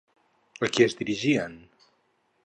A qui es dirigien?